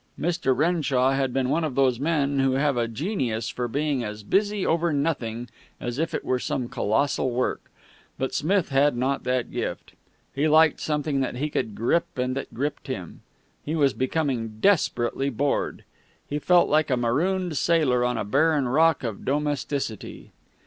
Mr. Renshaw had been one of those men who have a genius for being as busy over nothing as if it were some colossal work, but Smith had not that gift. He liked something that he could grip and that gripped him. He was becoming desperately bored. He felt like a marooned sailor on a barren rock of domesticity.